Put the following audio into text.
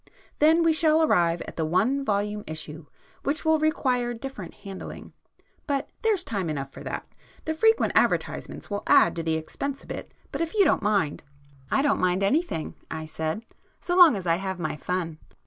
Then we shall arrive at the one volume issue, which will require different handling. But there's time enough for that. The frequent advertisements will add to the expense a bit, but if you don't mind—" "I don't mind anything," I said—"so long as I have my fun."